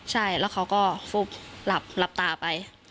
ใช่แล้วเขาก็ฟุบหลับตาไป